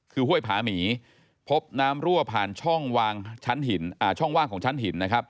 คือห้วยผามีพบน้ำรั่วผ่านช่องว่างของชั้นหิน